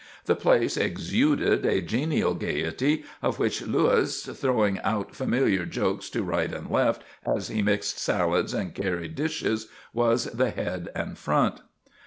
The place exuded a genial gaiety, of which Louis, throwing out familiar jokes to right and left as he mixed salads and carried dishes, was the head and front.